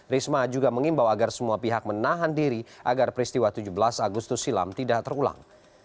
risma juga mengimbau agar semua pihak menahan diri agar peristiwa tujuh belas agustus silam tidak terulang